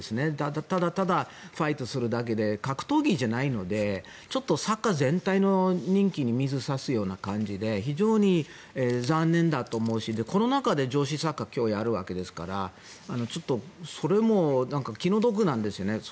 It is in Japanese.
ただただファイトするだけで格闘技じゃないのでちょっとサッカー全体の人気に水を差すような感じで非常に残念だと思うしこの中で女子サッカー今日やるわけですからちょっとそれも気の毒なんですよね。